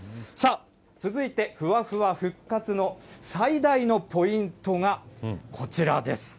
続いて、ふわふわ復活の最大のポイントがこちらです。